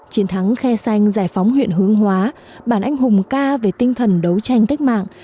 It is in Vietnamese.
chiến thắng khe xanh giải phóng huyện hương hóa bản anh hùng ca về tinh thần đấu tranh cách mạng